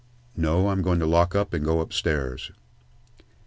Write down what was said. "No; I'm going to lock up and go upstairs."